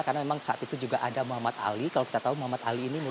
karena memang saat itu juga ada muhammad ali